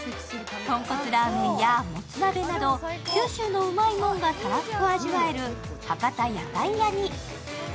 豚骨ラーメンやもつ鍋など九州のうまいもんがたらふく味わえる博多屋台屋に。